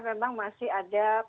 memang masih ada